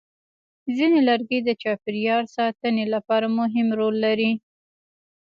ځینې لرګي د چاپېریال ساتنې لپاره مهم رول لري.